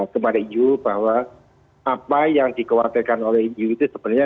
kepada eu bahwa apa yang dikhawatirkan oleh eu itu sebenarnya